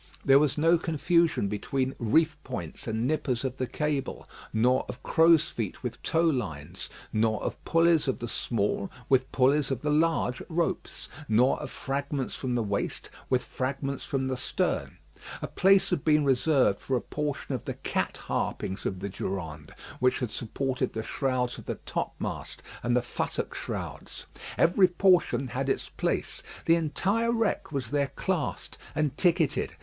There was no confusion between reef points and nippers of the cable, nor of crow's feet with towlines; nor of pulleys of the small with pulleys of the large ropes; nor of fragments from the waist with fragments from the stern. A place had been reserved for a portion of the cat harpings of the Durande, which had supported the shrouds of the topmast and the futtock shrouds. Every portion had its place. The entire wreck was there classed and ticketed.